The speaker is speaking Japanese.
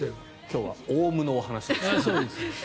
今日はオウムのお話でした。